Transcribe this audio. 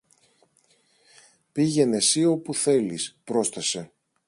Πήγαινε συ όπου θέλεις, πρόσθεσε